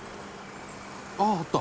「あああった！」